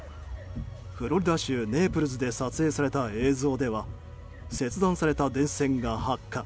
フロリダ州ネープルズで撮影された映像では切断された電線が発火。